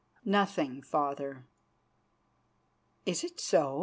"Nothing, Father." "Is it so?